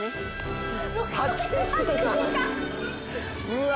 うわ！